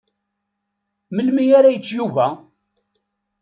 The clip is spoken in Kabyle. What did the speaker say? Melmi ara yečč Yuba?